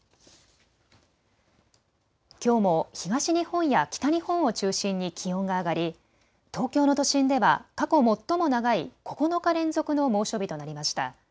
きょうも東日本や北日本を中心に気温が上がり、東京の都心では過去最も長い９日連続の猛暑日となりました。